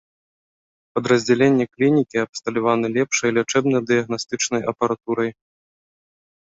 Падраздзяленні клінікі абсталяваны лепшай лячэбна-дыягнастычнай апаратурай.